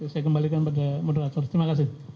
saya kembalikan pada moderator terima kasih